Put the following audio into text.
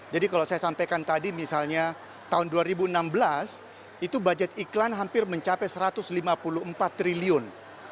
jadi kalau saya sampaikan tadi misalnya tahun dua ribu enam belas itu budget iklan hampir mencapai satu ratus lima puluh empat triliun